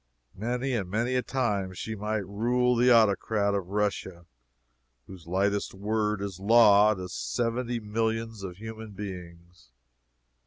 Many and many a time she might rule the Autocrat of Russia, whose lightest word is law to seventy millions of human beings!